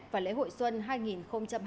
và lễ hội xuân hai nghìn hai mươi ba